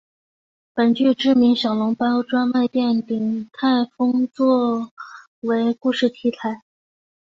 本剧知名小笼包专卖店鼎泰丰做为故事题材。